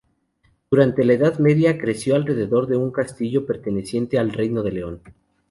Durante la Edad Media, creció alrededor de un castillo perteneciente al Reino de León.